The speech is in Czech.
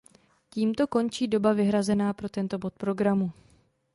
Tímto končí doba vyhrazená pro tento bod programu.